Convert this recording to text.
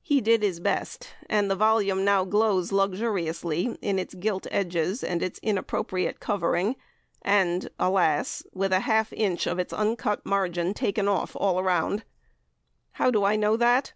He did his best, and the volume now glows luxuriously in its gilt edges and its inappropriate covering, and, alas! with half an inch of its uncut margin taken off all round. How do I know that?